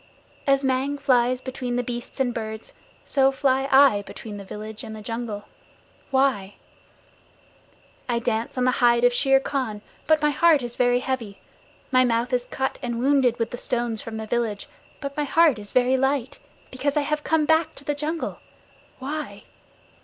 As Mang flies between the beasts and birds, so fly I between the village and the jungle. Why? I dance on the hide of Shere Khan, but my heart is very heavy. My mouth is cut and wounded with the stones from the village, but my heart is very light, because I have come back to the jungle. Why?